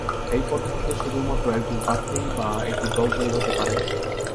এই পদ্ধতিতে শুধুমাত্র একজন প্রার্থী বা একটি দল জয়ী হতে পারে।